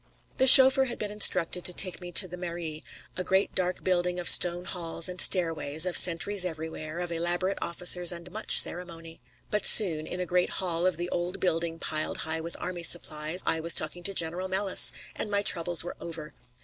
The chauffeur had been instructed to take me to the Mairie a great dark building of stone halls and stairways, of sentries everywhere, of elaborate officers and much ceremony. But soon, in a great hall of the old building piled high with army supplies, I was talking to General Melis, and my troubles were over.